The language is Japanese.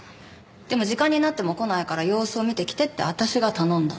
でも時間になっても来ないから様子を見てきてって私が頼んだの。